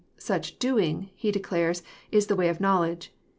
Such " doing " He declares i^the way to knowledge.